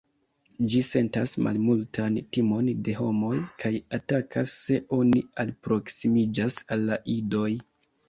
Ĝi sentas malmultan timon de homoj, kaj atakas se oni alproksimiĝas al la idoj.